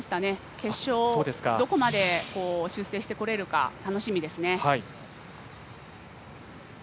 決勝、どこまで修正してこれるか楽しみですね。